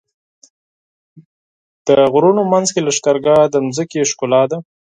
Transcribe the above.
د غرونو منځ کې لښکرګاه د ځمکې ښکلا ده.